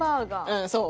うんそう。